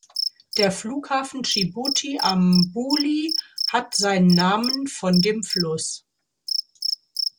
Der Flughafen Dschibuti-Ambouli hat seinen Namen von dem Fluss.